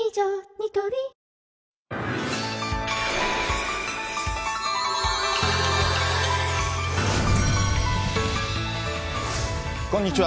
ニトリこんにちは。